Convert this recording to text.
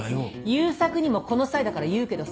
悠作にもこの際だから言うけどさ。